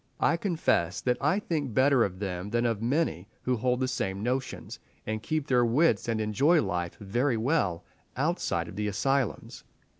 I confess that I think better of them than of many who hold the same notions, and keep their wits and enjoy life very well, outside of the asylums.